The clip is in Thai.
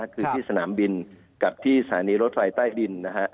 คือที่สนามบินกับที่สถานีรถไฟใต้ดิน